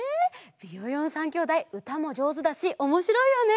ビヨヨン３きょうだいうたもじょうずだしおもしろいよね！